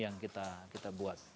yang kita buat